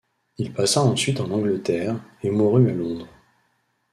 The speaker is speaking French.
Il passa ensuite en Angleterre, et mourut à Londres.